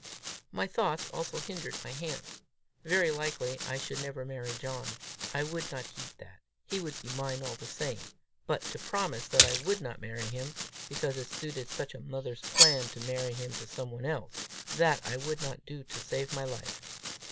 My thoughts also hindered my hands. Very likely I should never marry John; I would not heed that; he would be mine all the same! but to promise that I would not marry him, because it suited such a mother's plans to marry him to some one else that I would not do to save my life!